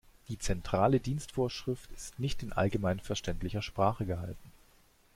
Die Zentrale Dienstvorschrift ist nicht in allgemeinverständlicher Sprache gehalten.